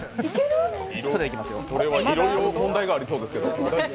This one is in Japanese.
これはいろいろ問題がありそうですけど。